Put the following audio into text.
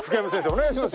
お願いしますよ。